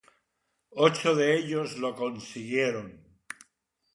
Ocho de ellos lo consiguieron.